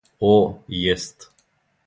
О, и јест.